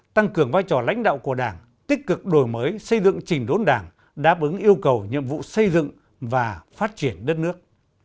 tăng cường vai trò lãnh đạo của đảng tích cực đổi mới xây dựng trình đốn đảng đáp ứng yêu cầu nhiệm vụ xây dựng và phát triển đất nước